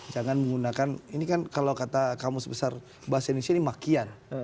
jangan menggunakan ini kan kalau kamu sebesar bahas ini makian